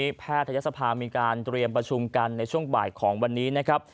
วันนี้แพทยศภามีการเตรียมประชุมกันในช่วงบ่ายของวันนี้นะครับ